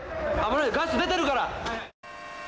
ガス出てるから。